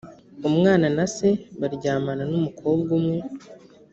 umwana na se baryamana n umukobwa umwe